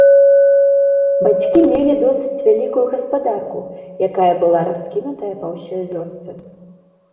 Бацькі мелі досыць вялікую гаспадарку, якая была раскінутая па ўсёй вёсцы.